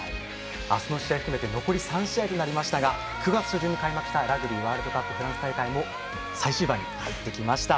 明日の試合を含めて残り３試合となりますが９月初旬に開幕したラグビーワールドカップフランス大会も最終盤に入ってきました。